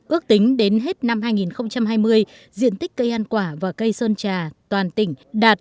ước tính đến hết năm hai nghìn hai mươi diện tích cây ăn quả và cây sơn trà toàn tỉnh đạt tám mươi năm trăm linh